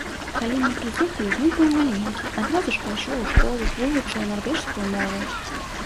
Калі мы прыехалі, ён быў маленькі, адразу ж пайшоў у школу, вывучыў нарвежскую мову.